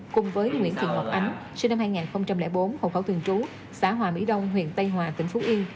cùng với nguyễn thị ngọc ánh sinh năm hai nghìn bốn hồ khẩu thường trú xã hòa mỹ đông huyện tây hòa tỉnh phú yên